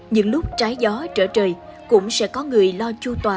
những lúc trái gió trở trời cũng sẽ có người lo chu tòa